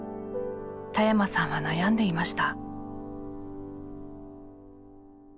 田山さんは悩んでいました。